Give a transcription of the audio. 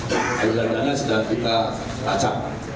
adanya dana sedang kita racap